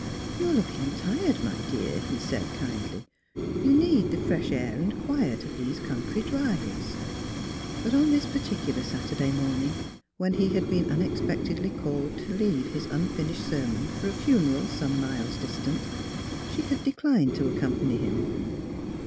'' You are looking tired, my dear," he said, kindly; " you need the fresh air and quiet of these country drives." But on this particular Saturday morning, when he had been unexpectedly called to leave his un finished sermon for a funeral some miles distant, she had declined to accompany him.